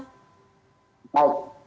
baik jenis ya